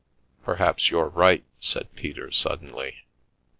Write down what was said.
" Perhaps you're right," said Peter, suddenly.